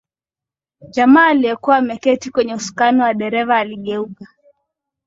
Jamaa aliyekuwa ameketi kwenye usukani wa dereva aligeuka